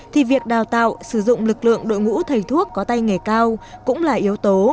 thì việc đào tạo sử dụng lực lượng đội ngũ thầy thuốc có tay nghề cao cũng là yếu tố